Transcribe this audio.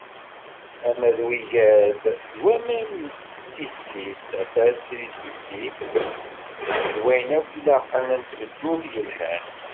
Ama d wigad n waman n tissit, tafat, trisiti, d wayen akk ilaqen i tmeddurt yelhan.